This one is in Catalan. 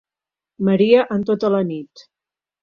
Maria en tota la nit.